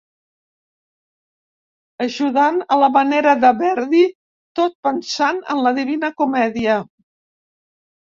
Ajudant a la manera de Verdi tot pensant en la Divina Comèdia.